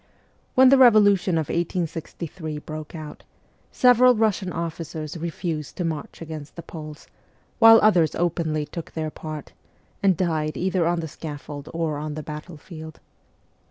When the revolution of 1863 broke out, several Russian officers refused to march against the Poles, while others openly took their part, and died either on the scaffold or on the battlefield.